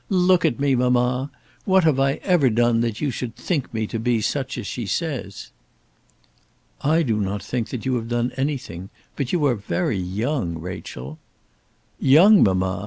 Look at me, mamma. What have I ever done that you should think me to be such as she says?" "I do not think that you have done anything; but you are very young, Rachel." "Young, mamma!